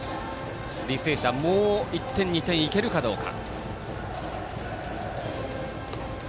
履正社、もう１点２点いけるかどうか。